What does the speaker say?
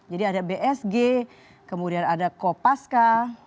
jadi ada bsg kemudian ada kopaska